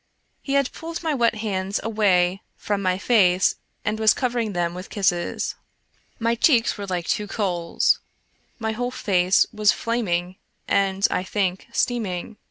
He had pulled my wet hands away from my face and was covering them with kisses. My cheeks were like two coals, my whole face was flaming and, I think, steaming.